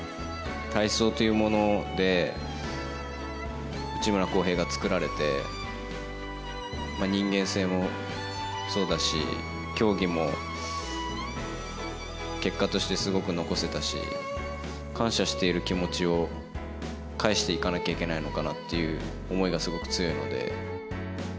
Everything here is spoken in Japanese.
体操というもので、内村航平がつくられて、人間性もそうだし、競技も結果としてすごく残せたし、感謝している気持ちを返していかなきゃいけないのかなっていう思いがすごく強いので。